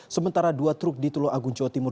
sementara dua truk di tulung agung jawa timur